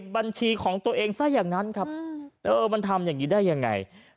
บัญชีของตัวเองซะอย่างนั้นครับมันทำอย่างนี้ได้ยังไง